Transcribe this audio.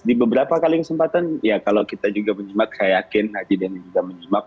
di beberapa kali kesempatan ya kalau kita juga menyimak saya yakin haji denny juga menyimak